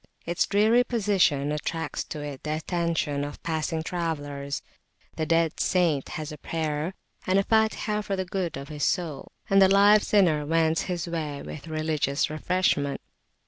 Its dreary position attracts to it the attention of passing travellers; the dead saint has a prayer and a Fatihah for the good of his soul, and the live sinner wends his way with religious refreshment.